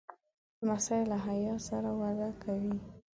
لمسی له حیا سره وده کوي.